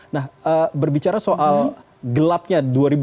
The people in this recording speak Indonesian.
nah berbicara soal gelapnya dua ribu dua puluh